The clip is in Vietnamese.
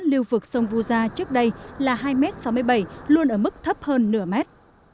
lưu vực sông vu gia trước đây là hai m sáu mươi bảy luôn ở mức thấp hơn nửa mét